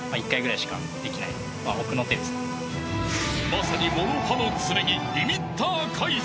［まさにもろ刃の剣リミッター解除］